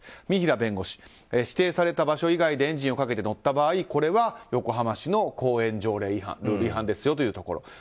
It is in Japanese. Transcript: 三平弁護士指定された場所以外でエンジンをかけて乗った場合これは、横浜市の公園条例違反ですよというところ。